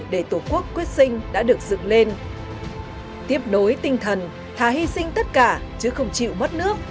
để tổ quốc quyết sinh đã được dựng lên tiếp đối tinh thần thà hy sinh tất cả chứ không chịu mất nước